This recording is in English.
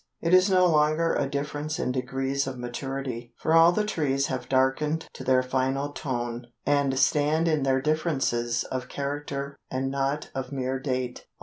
It is no longer a difference in degrees of maturity, for all the trees have darkened to their final tone, and stand in their differences of character and not of mere date.